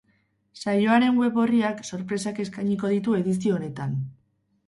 Saioaren web orriak sorpresak eskainiko ditu edizio honetan.